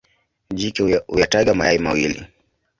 Jike huyataga mayai mawili.